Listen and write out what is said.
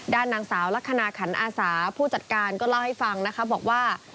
ด้านนางสาวลักษณะขันอาสาผู้จัดการก็เล่าให้ฟังนะคะบอกว่า